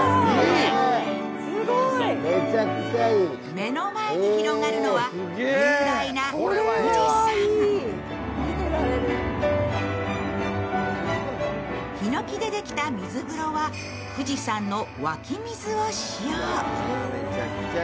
目の前に広がるのは、雄大な富士山ひのきでできた水風呂は富士山の湧き水を使用。